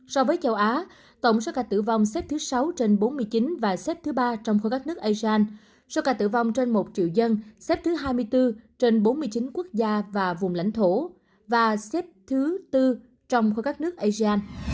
so với châu á tổng số ca tử vong xếp thứ sáu trên bốn mươi chín và xếp thứ ba trong khối các nước asean số ca tử vong trên một triệu dân xếp thứ hai mươi bốn trên bốn mươi chín quốc gia và vùng lãnh thổ và xếp thứ tư trong khối các nước asean